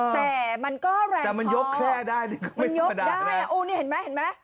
แต่มันก็แรงพอเดะมันยกแค่ได้มันยกได้โอ้นี่เห็นไหม